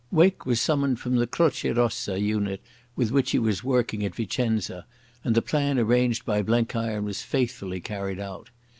Wake was summoned from the Croce Rossa unit with which he was working at Vicenza, and the plan arranged by Blenkiron was faithfully carried out.